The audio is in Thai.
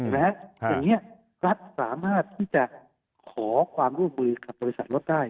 อย่างนี้รัฐสามารถที่จะขอความร่วมมือกับบริษัทรถได้